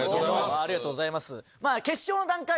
ありがとうございます。